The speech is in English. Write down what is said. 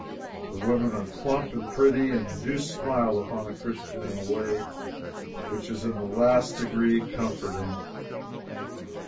Their women are plump and pretty, and do smile upon a Christian in a way which is in the last degree comforting.